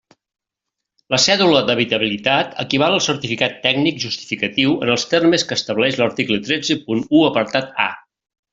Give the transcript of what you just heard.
La cèdula d'habitabilitat equival al certificat tècnic justificatiu en els termes que estableix l'article tretze punt u apartat a.